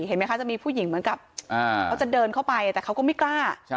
เห็นไหมคะจะมีผู้หญิงเหมือนกับเขาจะเดินเข้าไปแต่เขาก็ไม่กล้า